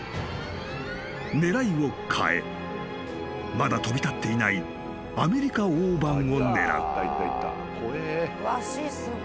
［狙いを変えまだ飛び立っていないアメリカオオバンを狙う］